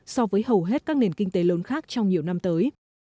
so với hầu hết các nền kinh tế lớn khác trong nhiều năm tới